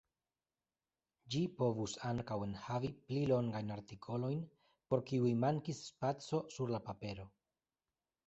Ĝi povus ankaŭ enhavi pli longajn artikolojn, por kiuj mankis spaco sur la papero.